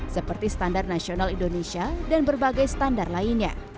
seperti standar nasional indonesia dan berbagai standar lainnya